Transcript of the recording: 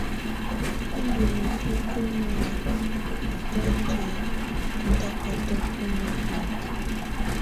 Tù ndù mǝpuŋkǝ nɔ̀á na tɔ̀anjɛ kɔtakatɔ tu mǝpilǝ.